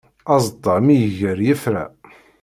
Aẓeṭṭa mi iger yefra.